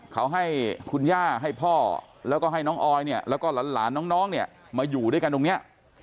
เขาให้คุณย่าให้พ่อแล้วก็ให้น้องออยเนี่ยแล้วก็หลานน้องเนี่ยมาอยู่ด้วยกันตรงนี้